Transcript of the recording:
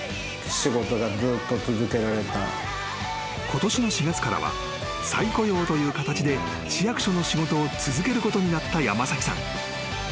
［ことしの４月からは再雇用という形で市役所の仕事を続けることになった山崎さん］